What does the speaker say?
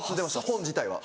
本自体は。